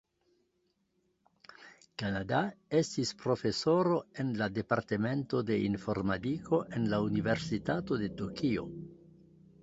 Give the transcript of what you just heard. Kanada estis profesoro en la Departemento de Informadiko en la Universitato de Tokio.